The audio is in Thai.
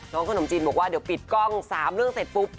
ขนมจีนบอกว่าเดี๋ยวปิดกล้อง๓เรื่องเสร็จปุ๊บ